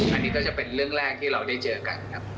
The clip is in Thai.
อันนี้ก็จะเป็นเรื่องแรกที่เราได้เจอกันครับ